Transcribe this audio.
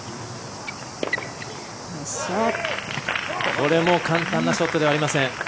これも簡単なショットではありません。